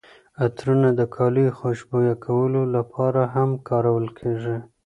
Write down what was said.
عطرونه د کالیو خوشبویه کولو لپاره هم کارول کیږي.